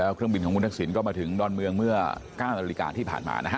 เครื่องบินของคุณทักษิณก็มาถึงดอนเมืองเมื่อ๙นาฬิกาที่ผ่านมานะฮะ